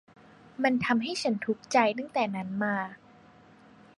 มันทำให้ฉันทุกข์ใจตั้งแต่นั้นมา